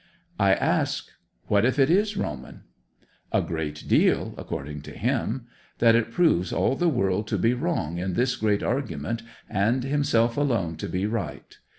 I ask, What if it is Roman? A great deal, according to him. That it proves all the world to be wrong in this great argument, and himself alone to be right!